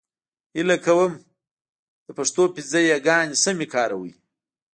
هيله کوم د پښتو پنځه يېګانې سمې کاروئ !